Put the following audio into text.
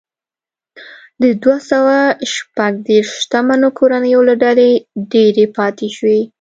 د دوه سوه شپږ دېرش شتمنو کورنیو له ډلې ډېرې پاتې شوې.